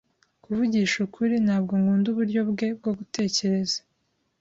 Kuvugisha ukuri, ntabwo nkunda uburyo bwe bwo gutekereza.